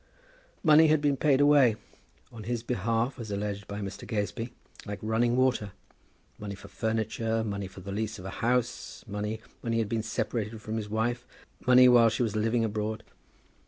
Money had been paid away, on his behalf, as alleged by Mr. Gazebee, like running water; money for furniture, money for the lease of a house, money when he had been separated from his wife, money while she was living abroad.